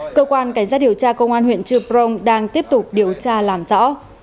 cơ quan cảnh giác điều tra công an huyện chư prong đang tiếp tục điều tra làm rõ